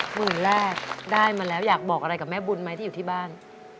หมื่นแรกได้มาแล้วอยากบอกอะไรกับแม่บุญไหมที่อยู่ที่บ้าน